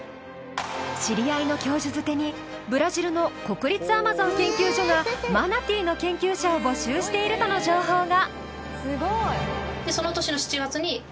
知り合いの教授づてにブラジルの国立アマゾン研究所がマナティーの研究者を募集しているとの情報が。